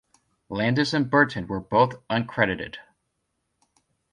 Landis and Burton were both uncredited.